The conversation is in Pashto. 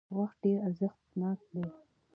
وخت ډېر ارزښتناک دی